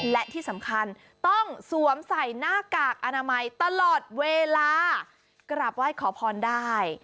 และที่สำคัญต้องสวมใส่หน้ากากอนามัยตลอดเวลากราบไหว้ขอพรได้